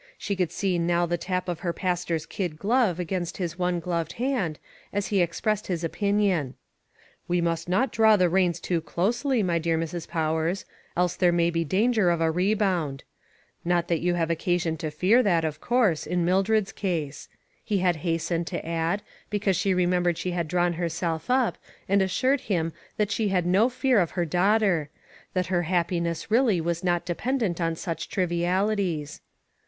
She could see now the tap of her pastor's kid glove against his one gloved hand, as he expressed his opinion. " We must not draw the reins too closely, my dear Mrs. Powers, else there may be danger of a rebound; not that you have occasion to fear that, of course, in Mildred's case," he had hastened to add, because she remembered she had drawn herself up, and assured him that she had no fear of her daughter; that her happiness really was not dependent on such trivialities.